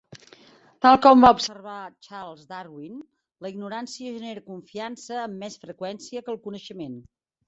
Tal com va observar Charles Darwin, la ignorància genera confiança amb més freqüència que el coneixement.